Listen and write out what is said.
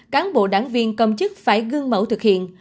cán bộ đảng viên công chức phải gương mẫu thực hiện